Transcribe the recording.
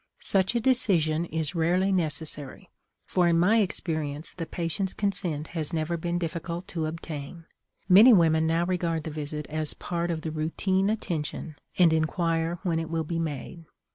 Such a decision is rarely necessary, for in my experience the patient's consent has never been difficult to obtain. Many women now regard the visit as part of the routine attention, and inquire when it will be made.